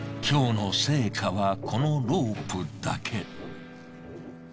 今日の成果はこのロープだけ。